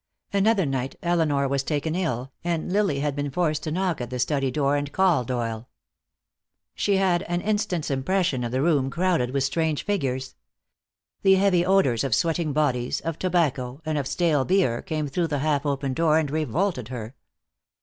Another night Elinor was taken ill, and Lilly had been forced to knock at the study door and call Doyle. She had an instant's impression of the room crowded with strange figures. The heavy odors of sweating bodies, of tobacco, and of stale beer came through the half open door and revolted her.